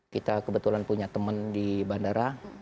kita kebetulan punya teman di bandara